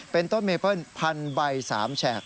เป็นต้นเมเปิลพันใบ๓แฉ่ง